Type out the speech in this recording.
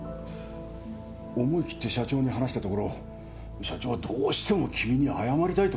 思い切って社長に話したところ社長はどうしても君に謝りたいとおっしゃってね。